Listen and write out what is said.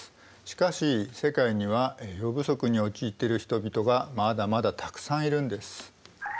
しかし世界には栄養不足に陥っている人々がまだまだたくさんいるんです。